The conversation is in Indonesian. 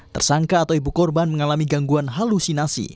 tersangka atau ibu korban mengalami gangguan halusinasi